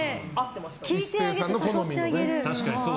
壱成さんの好みのね。